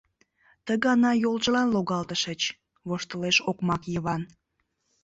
— Ты гана йолжылан логалтышыч, — воштылеш окмак Йыван.